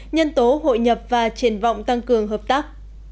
nhân tố hội nhập và triển vọng tăng cường hợp tác